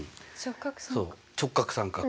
直角三角形。